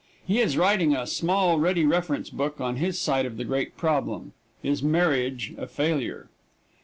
He is writing a small ready reference book on his side of the great problem, "Is Marriage a Failure?"